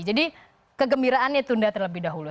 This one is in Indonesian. jadi kegembiraannya ditunda terlebih dahulu